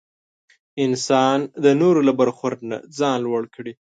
انسان د نورو له برخورد نه ځان لوړ کړي.